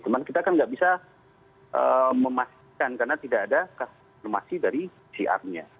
cuman kita kan nggak bisa memastikan karena tidak ada informasi dari pcr nya